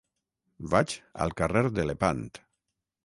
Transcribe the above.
Vaig al carrer de Lepant.